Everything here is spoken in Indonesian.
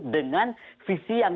dengan visi yang membangun